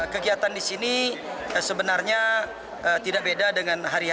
kegiatan di sini sebenarnya tidak beda dengan harianya